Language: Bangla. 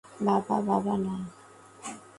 বাবা, বাবা, না!